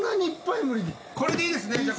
これでいいですね？